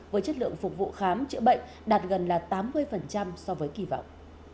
với chất lượng phục vụ khám chữa bệnh đạt gần tám mươi so với kỳ vọng